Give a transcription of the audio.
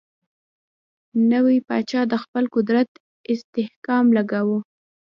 نوی پاچا د خپل قدرت استحکام لګیا وو.